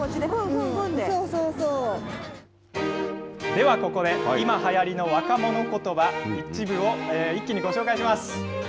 ではここで、今はやりの若者ことば、一部を一気にご紹介します。